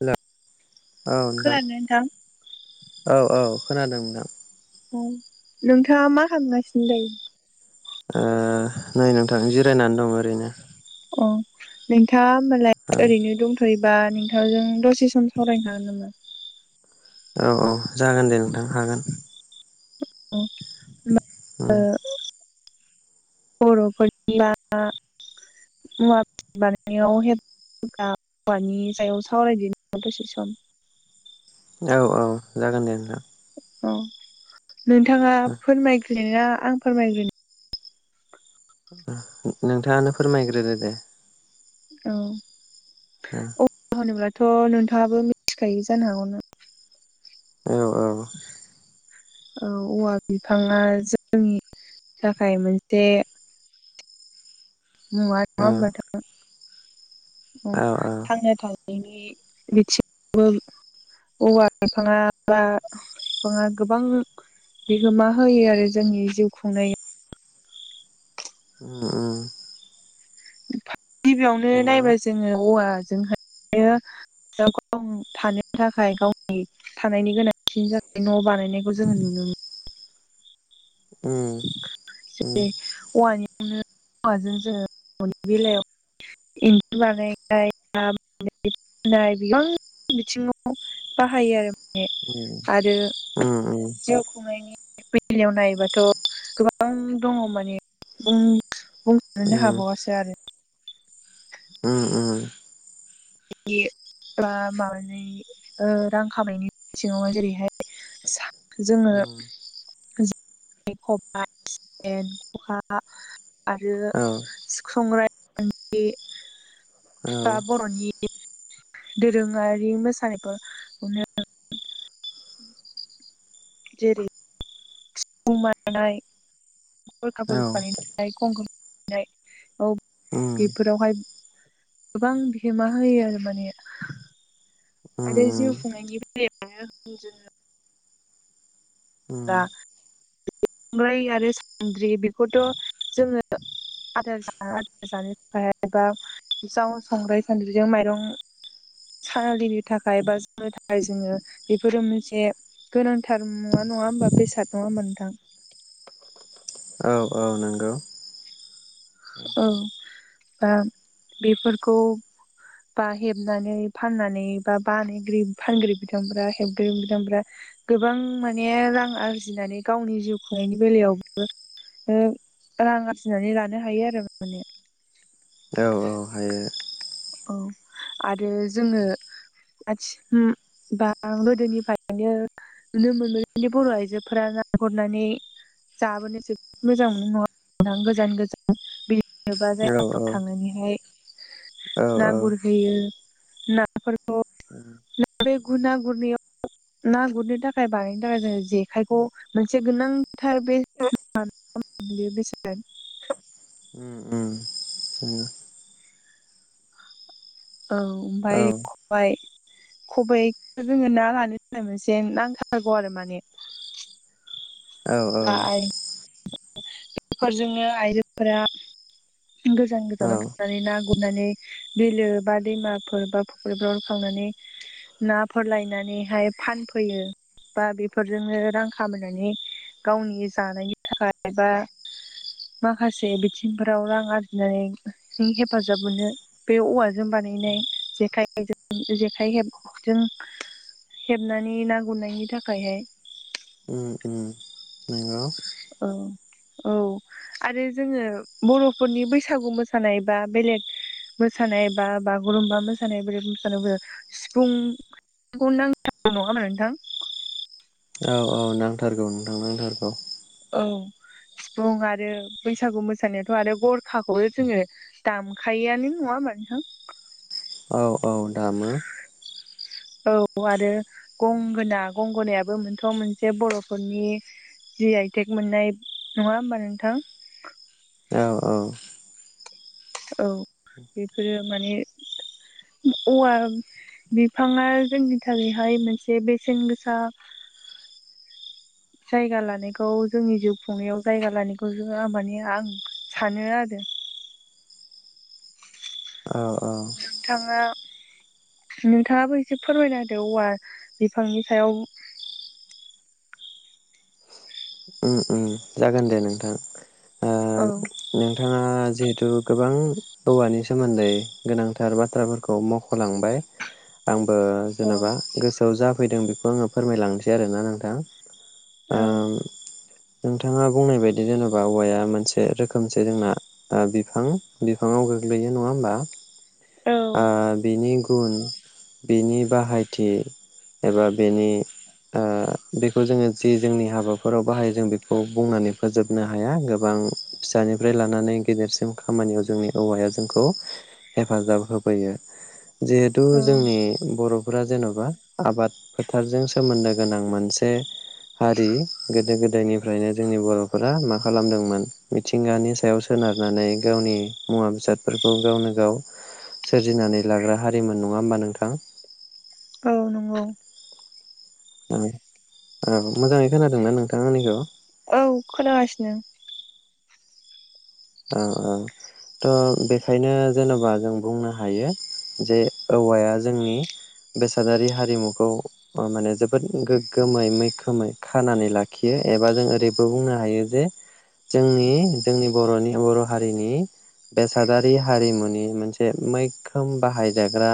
हेल' औ नोंथां औ औ खोनादों नोंथां। औ नोंथाङा मा खामगासिनो दायो। ओ नै नोंथां जिरायनानै दं ओरैनो। अ नोंथाङा होमबालाय औ ओरैनो दंथ थयोबा नोंथांजों दसे सम सावरायनो हागोन नामा? औ औ जागोन दे नोंथां हागोन। उम उम होमबा ओ बर'फोरनि ना [unintelligible] मुवा बेसाद बानायनायाव हेफाजाब हाबानि सायाव सावरायदिनि नामा दसे सम औ औ जागोन दे नोंथां। अ नोंथाङा फोरमायग्रोनो आं फोरमायग्रोनो? नोंथाङानो फोरमायग्रोदो दे। औ अ होनोब्लाथ' नोंथाङाबो मिथिखायो जानो हागौनो ना औ औ। औ औवा बिफाङा जोंनि थाखाय मोनसे मुवा नङा औ होनबा नोंथां? उम औ औ थांना थानायनि बिथिङबो [unintelligible] औवा बिफाङा बा बिफांआ गोबां बिहोमा होयो आरो जोंनि जिउ खुंनाय उम उम। गिबियावनो नंगौ नायबाय जोङो औवाजोंहायो गाव थानो थाखाय गावनि। थानायनि गोनांथि जोंनि न' बानायनायखौ जोङो नुनो मोनो। उ। जेरै औवानियावनो औवाजों जोङो न'नि बेलायाव इन्दिुर बानायनाय नाानायनाय बिबां बिथिङाव। [unintelligible] बाहायो आरो माने उम आरो उम जिउ खुंनायनि बिलियाव नायोबाथ'। [unintelligible] गोबां दङ माने बुंनो नो उम हाबावासै आरो ओम ओ। बे बा माबानानै। [unintelligible] रां खामायनायनि बिङाव जेरैहाय जोङो उम जेखाइ, खबाय, सेन, खखा आरो औ सिखंरा औ बर'नि। [unintelligible] दोरोङारि मोसानायनो। [unintelligible] जेरै - मुमानाय। [unintelligible] कफुर उम बानायनाय गंख्र बानायनाय औ बेफोरावहाय। [unintelligible] गोबां बिहोमा होयो आरो माने। उम आरो जिउ खुंनायनि बेलायावनो। [inaudible] संराय आरो सानद्रि बेखौथ' जोङो आदार ज आदार जानो थाखाय बा जाव संख्रै सान्द्रिजों माइरं। [unintelligible] सानालिनो थाखाय बा जानो थाखाय जोङो बेफोरो मोनसे गोनांथार नुवा नङा होमबा बेसाद नङा होमबा नोंथां? औ औ। नोंगौ। औ बा बेफोरखौ बा हेबनानै फाननानै बा फानग्रा बिथांफोरा रेबग्रा बिथांफोरा गोबां माने रां आरजिनानै गावनि जिउ खुंनायनि बेलायावबो रां आरजिनानै लानो हायो आरो। औ औ हायो। औ आरो जोङो आथि ओ बा गोदोनिफ्रायनो नुनो मोनोदि बर' आइजोफोरा ना गुरनानै जाबोनो जोबोद मोजां मोनो नङा [unintelligible] गोजान गोजान बि बबेबा औ जायगाफ्राव औ थांनानैहाय औ ना औ गुरहैयो। नाफोरखौ उम बे गुर ना गुरनायाव ना गुरनो थाखाय बानायनो थाखाय जों जेखायखौ मोनसे गोनांथार बे [unintelligible] उम उम उम। औ औ ओमफ्राय खबाय। खबायखौ जोङो ना लानो थाखाय मोनसे नांथारगौ आरो माने। औ औ। बेफोरजोंनो आइजोफोरा गोजान औ गोजानाव थांनानै ना गुरनानै बिलो बा दैमाफोर बा फुख्रिफोराव थांनानै नाफोर लायनानैहाय फानफैयो। बा बेफोरजोंनो रां खामायनानै गावनि जानायनि थाखाय एबा माखासे बिथिंफोराव रां आरजिनानै हेफाजाब मोनो, बे औवा जों बानायनाय जेखाइजों, जेखाइ हेब जों। हेबनानै ना गुरनायनि थाखायहाय। उम उम नंगौ। औ औ। आरो जोङो बर'फोरनि बैसागु मोसानाय बा बेलेग मोसानाय बा बागुरुमबा मोसानाय बोरै मोसानो सिफुं खौ नांथारगौ नङा होनबा नोंथां? औ औ नांथारगौ नोंथां नांथारगौ। औ सिफुं आरो बैसागु मोसानायावथ' आरो गरखाखौबो जोङो दामखायोआनो नङा होनबा नोंथां? औ औ दामो। औ आरो गंगोना, गंगोनायाबो मोनथ' मोनसे बर'फोरनि जि आइ टेक मोननाय नङा होमबा नोंथां? औ औ। औ बेफोरो माने औवा बिफाङा जोंनि थाखायहाय मोनसे बेसेन गोसा जायगा लानायखौ जोंनि जिउ खुंनायाव जायगा लानायखौ जो मानि आं सानो आरो। औ औ नोंथाङा नोंथाङाबो एसे फोरमायना होदो औवा बिफांनि सायाव। उम उम। जागोन दे नोंथां। ओ औ। नोंथाङा ओ जिहेथु गोबां औवानि सोमोन्दै गोनांथार बाथ्राफोरखौ मख'लांबाय। आंबो औ जेन'बा गोसोआव जाफैदों बेखौ आङो फोरमायलांनोसै आरोना नोंथां। औ। ओम नोंथाङा बुंनाय बायदि जेन'बा औवाया मोनसे रोखोमसे जोंना ओ बिफां, बिफाङाव गोग्लैयो नङा होमबा? औ ओ बेनि गुन बेनि बाहायथि एबा बेनि ओ बेखौ जोङो जि जोंनि हाबाफोराव बाहायो जों बेखौ बुंनानै फोजोबनो हाया गोबां फिसानिफ्राय लानानै गेदेरसिम खामानियाव जोंनि औवाया जोंखौ हेफाजाब होबोयो। जिहेथु औ जोंनि बर'फोरा जेन'बा आबाद फोथारजों सोमोन्दो गोनां मोनसे हारि गोदो-गोदायनिफ्रायनो जोंनि बर'फोरा मा खालामदोंमोन मिथिंगानि सायाव सोनारनानै गावनि मुवा बेसादफोरखौ गावनो गाव सोरजिनानै लाग्रा हारिमोन नङा होमबा नोंथां औ नंगौ औ औ मोजाङै खोनादोंना नोंथाङा आंनिखौ औ खोनागासिनो औ औ ओं थ' बेखायनो जेनेबा जों बुंनो हायो। जे औवाया जोंनि बेसादारि हारिमुखौ माने जोबोद गोग्गोमै मैखोमै खानानै लाखियो एबा जों ओरैबो बुंनो हायो जे जोंनि जोंनि बर'नि बर' हारिनि बेसादारि हारिमुनि मोनसे मैखोम बाहायजाग्रा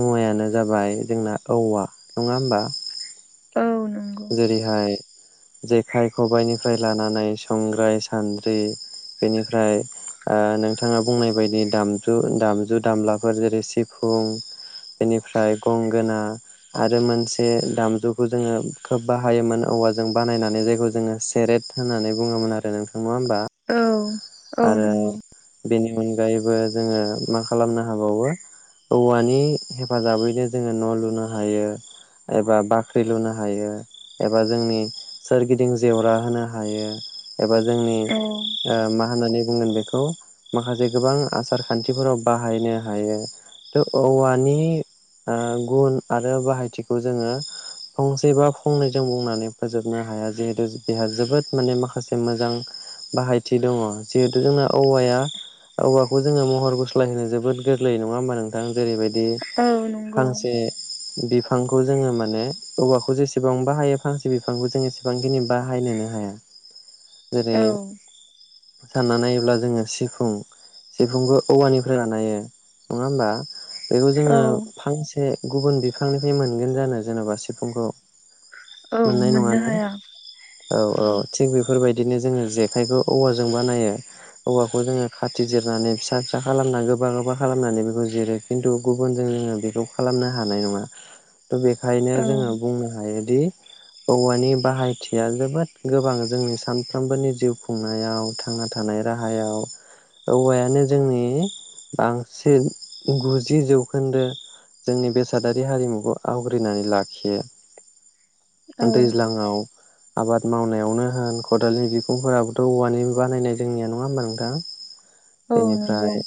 मुवायानो जाबाय जोंना औवा नङा होमबा औ नंगौ जेरैहाय जेखाइ, खबाइनिफ्राय लानानै संग्राय, सान्द्रि बेनिफ्राय ओ नोंथाङा बुंनाय बायदि दामजु दामजु दामलाफोर जेरै सि फुं बेनिफ्राय गंगोना आरो मोनसे दामजुखौ दोङो खोब बाहायोमोन औवाजों बानायनानै जायखौ जोङो सेरेट होननानै बुङोमोन आरो नोंथां नङा होमबा? औ औ आरो नंगौ बेनि अनगायैबो जोङो मा खालामनो हाबावो औवानि हेफाजाबैनो जोङो न' लुनो हायो। एबा बाख्रि लुनो हायो। एबा जोंनि सोरगिदिं जेवरा होनो हायो एबा जोंनि औ ओ मा होननानै बुंगोन बेखौ माखासे गोबां आसार खान्थिफोराव बाहायनो हायो। थ' औवानि ओ गुन आरो बाहायथिखौ जोङो फंसे बा फंनैजों बुंनानै फोजोबनो हाया जिहेतु बेहा जोबोद माने माखासे मोजां बाहायथि दङ जिहेथु जोंना औवाया औवाखौ जोङो महर गुस्लाय होनो जोबोद गोरलै नङा होमबा नोंथां जेरैबायदि औ नंगौ फांसे बिफांखौ जोङो माने औवाखौ जेसेबां बाहायो फांसे बिफांखौ जों बेसेबांखिनि बाहायनोनो हाया। औ साना नायोब्ला‌ जोङो सिफुं बेखौबो जों औवानिफ्राय बानायो बेखौ औ जोङो फांसे गुबुन बिफांनिफ्राय मोनगोन जानो जेन'बा सिफुंखौ औ मोननाय नङा मोननो ने हाया औ औ थिग बेफोरबायदिनो जोङो जेखायखौ औवा जों बानायो। औवाखौ जोङो खाथि जिरनानै फिसा फिसा खालामनानै गोबा गोबा खालामनानै बेखौ जिरो। खिन्थु गुबुन‌ जोङो बेखौ खालामनो हानाय नङा। [inaudible] त' बेखायनो औ जोङो बुंनो हायोदि औवानि बाहायथिया जोबोद गोबां जोंनि सानफ्रोमबोनि जिउ खुंनायाव थांना थानाय राहायाव औवायानो जोंनि बांसिन गुजि जौखोन्दो जोंनि बेसादारि हारिमुखौ आवग्रिनानै लाखियो। औ दैज्लाङाव आबाद मावनायावनो हाल खदालनि बिखुंफोराबोथ' औवानि बानायनाय जोंनिया नङा होमा नोंथां औ नंगौ बेनिफ्राय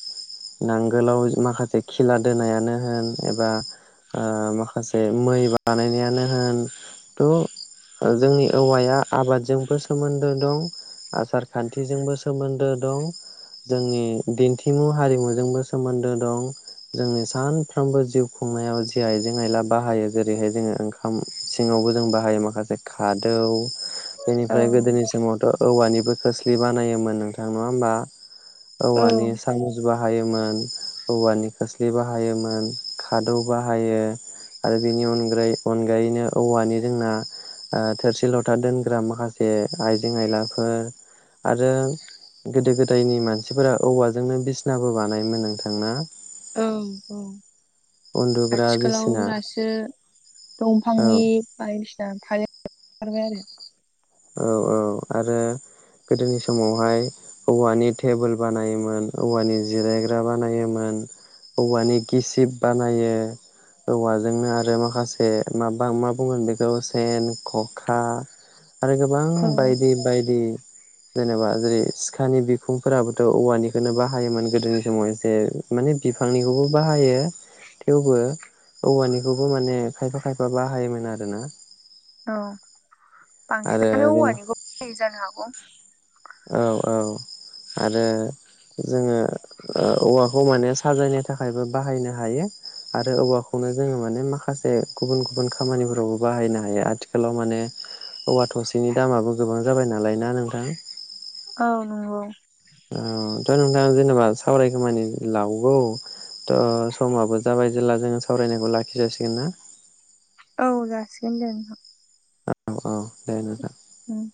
नांगोलाव माखासे खिला दोनायानो होन एबा। ओ माखासे मै बानायनायानो होन थ'। जोंनि औवाया आबादजोंबो सोमोन्दो दं आसार खान्थिजोंबो सोमोन्दो दं। जोंनि दिन्थिमु हारिमुजोंबो सोमोन्दो दं। जोंनि सानफ्रोमबो जिउ खुंनायाव जि आइजें आइला बाहायो जेरैहाय जोङो ओं खाम सिङावबो जों बाहायो माखासे खादौ। औ बेनिफ्राय गोदोनि समावथ' औवानिबो खोस्लि बानायोमोन नोंथां नङा होमबा? औ औवानि सामस बाहायोमोन। औवानि खोस्लि बाहायोमोन खादौ बाहायो। आरो बेनि अनगै अनगायैनो औवानि जोंना। थोरसि लथा दोनग्रा माखासे आइजें आयलाफोर आरो गोदो गोदायनि मानसिफोरा औवाजोंनो बिसनाबो बानायोमोन नोंथांना? औ औ उन्दुग्रा आथिखालाव बिसिना दासो औ दंफांनि। बायदिसिना थालिर खारबाय आरो [unintelligible] औ औ आरो गोदोनि समावहाय। औवानि टेबोल बानायोमोन औवानि जिरायग्रा बानायोमोन। औवानि गिसिब बानायो। औवाजोंनो आरो माखासे माबा मा बुंगोन बेखौ सेन खखा आरो गोबां औ बायदि बायदि जेनेबा जेरै सिखानि बिखुंफोराबोथ' औवानिखौनो बाहायोमोन गोदोनि समाव जे माने बिफांनिखौबो बाहायो थेवबो औवानिखौबो माने खायफा खायफा बाहायोमोन आरोना औ आरो बांसिनानो जेन औवानिखौ जानो हागौ औ औ आरो जोङो औवाखौ माने साजायनो थाखायबो बाहायनो हायो आरो औवाखौनो जोङो माने माखासे गुबुन गुबुन खामानिफोरावबो बाहायनो हायो आथिखालाव माने औवा थसेनि दामाबो गोबां जाबाय नालाय ना नोंथां औ नंगौ औ थ' नोंथाङा जेनेबा सावराय खामानि लावगौ थ' समाबो जाबाय जेब्ला जोङो सावरायनायखौ लाखि जासिगोन ना औ जासिगोन दे औ औ दे नोंथां उम